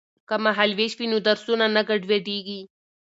که مهال ویش وي نو درسونه نه ګډوډیږي.